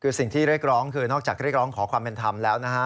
คือสิ่งที่เรียกร้องคือนอกจากเรียกร้องขอความเป็นธรรมแล้วนะฮะ